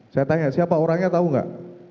saya tanya siapa orangnya tau gak